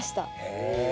へえ。